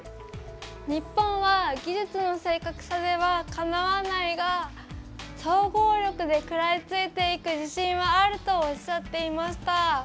日本は技術の正確さではかなわないが総合力で食らいついていく自信はあるとおっしゃっていました。